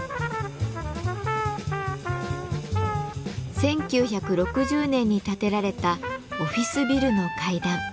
１９６０年に建てられたオフィスビルの階段。